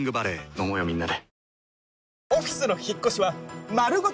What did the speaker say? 飲もうよみんなで。